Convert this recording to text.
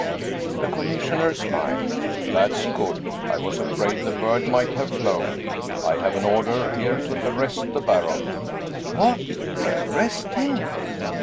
The Commissioner smiled. " That's good. I was afraid the bird might have flown. I have an order here to arrest the Baron." "What? Arrest him?"